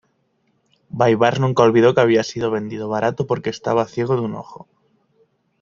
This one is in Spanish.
Baibars nunca olvidó que había sido vendido barato porque estaba ciego de un ojo.